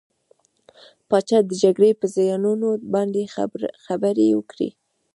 پاچا د جګرې په زيانونو باندې خبرې وکړې .